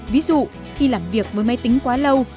ví dụ khi làm việc với máy tính quá lâu